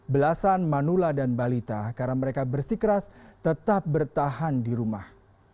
belasan manula dan balita karena mereka bersikeras tetap bertahan di rumah